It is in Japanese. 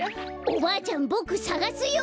おばあちゃんボクさがすよ。